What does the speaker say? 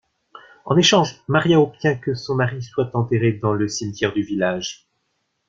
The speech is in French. En échange Maria obtient que son mari soit enterré dans le cimetière du village.